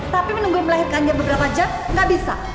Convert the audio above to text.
tapi menunggu melahirkannya beberapa jam nggak bisa